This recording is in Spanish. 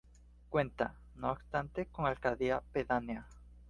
Cuenta, no obstante, con alcaldía pedánea.